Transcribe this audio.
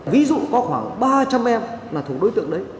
ví dụ có khoảng ba trăm linh em là thuộc đối tượng đấy